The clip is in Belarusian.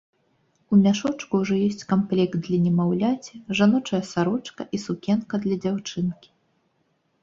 У мяшочку ўжо ёсць камплект для немаўляці, жаночая сарочка і сукенка для дзяўчынкі.